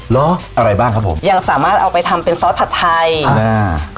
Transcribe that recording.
เหรออะไรบ้างครับผมยังสามารถเอาไปทำเป็นซอสผัดไทยอ่า